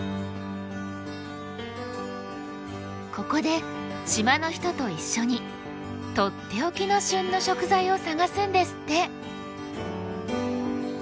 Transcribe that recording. ここで島の人と一緒にとっておきの旬の食材を探すんですって。